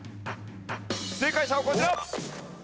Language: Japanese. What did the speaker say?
正解者はこちら。